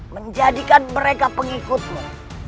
menjadikan mereka pengikutmu